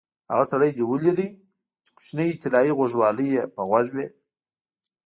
هغه سړی دې ولید چې کوچنۍ طلایي غوږوالۍ یې په غوږ وې؟